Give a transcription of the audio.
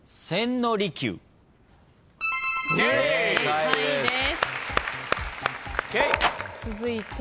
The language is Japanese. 正解です。